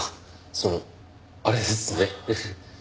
そのあれですね。